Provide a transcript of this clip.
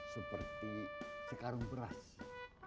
seperti sekarung berasi